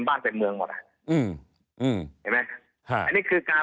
เต็มเมืองหมดอ่ะอืมอืมเห็นไหมฮะอันนี้คือการ